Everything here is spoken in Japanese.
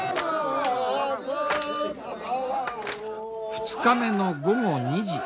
２日目の午後２時。